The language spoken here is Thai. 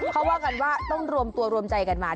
เขาว่ากันว่าต้องรวมตัวรวมใจกันมา